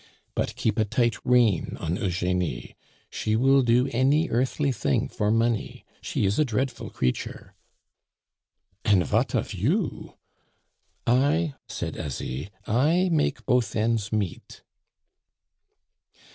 But keep a tight rein on Eugenie; she will do any earthly thing for money; she is a dreadful creature!" "An' vat of you?" "I," said Asie, "I make both ends meet."